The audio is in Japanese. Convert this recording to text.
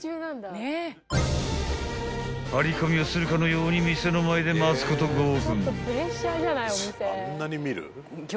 ［張り込みをするかのように店の前で待つこと５分］